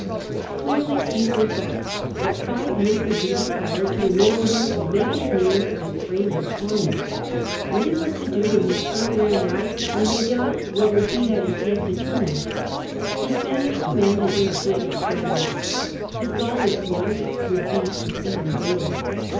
Clearly Crnsar thought that five years would be required to enable him to make his name and to frame his army. What he was to do when his term ran out, we may doubt whether he had yet determined. His Spanish command had been a great experiment — ^his Gaulish one would be an even greater.